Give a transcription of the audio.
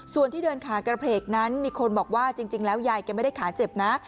ส่วนที่เดินขากระเพลกนั้นมีคนบอกว่าจริงแล้วยายแกไม่ได้ขาเจ็บนะ